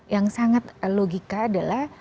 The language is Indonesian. yang sangat logika adalah